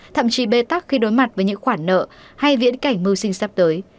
thậm chí bê tắc khi đối mặt với những khoản nợ hay viễn cảnh mưu sinh sắp tới